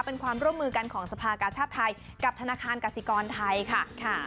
เป็นความร่วมมือกันของสภากาชาติไทยกับธนาคารกสิกรไทยค่ะ